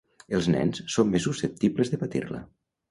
Els nens són més susceptibles de patir-la.